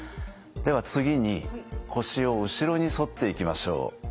では次に腰を後ろに反っていきましょう。